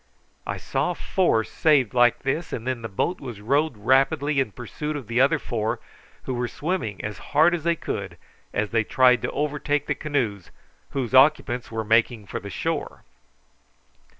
I saw four saved like this, and then the boat was rowed rapidly in pursuit of the other four, who were swimming as hard as they could, as they tried to overtake the canoes, whose occupants were making for the shore.